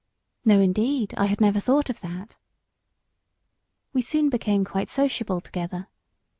"No, indeed; I had never thought of that." We soon became quite sociable together.